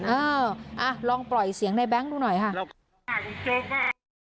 เอออ่ะลองปล่อยเสียงในแบงค์ดูหน่อยค่ะ